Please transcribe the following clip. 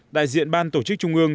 đại diện ban tổ chức trung ương